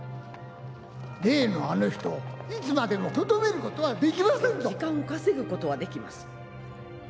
例のあの人をいつまでもとどめることはできませんぞ時間を稼ぐことはできます